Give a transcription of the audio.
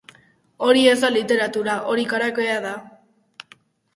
Hori ez da literatura, hori karaokea da!